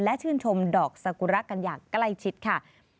และชื่นชมดอกสกุระกันอย่างใกล้ชิดค่ะ